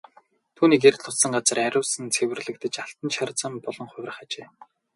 Түүний гэрэл туссан газар ариусан цэвэрлэгдэж алтан шар зам болон хувирах ажээ.